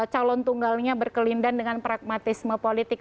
calon tunggalnya berkelindan dengan pragmatisme politik